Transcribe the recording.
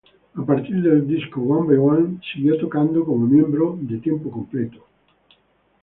A partir del disco "One by One", siguió tocando como miembro de tiempo completo.